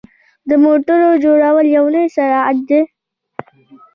د موټرو جوړول یو لوی صنعت دی.